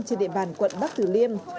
trên địa bàn quận bắc tử liêm